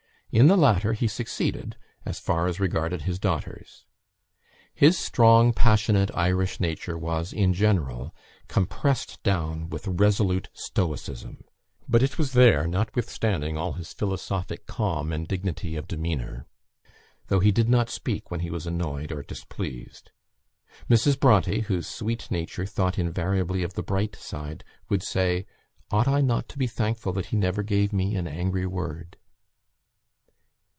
In the latter he succeeded, as far as regarded his daughters. His strong, passionate, Irish nature was, in general, compressed down with resolute stoicism; but it was there notwithstanding all his philosophic calm and dignity of demeanour; though he did not speak when he was annoyed or displeased. Mrs. Bronte, whose sweet nature thought invariably of the bright side, would say, "Ought I not to be thankful that he never gave me an angry word?"